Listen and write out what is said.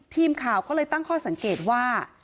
ทีมข่าวก็เลยตั้งข้อสังเกตว่า